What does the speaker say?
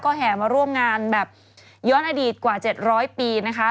แห่มาร่วมงานแบบย้อนอดีตกว่า๗๐๐ปีนะคะ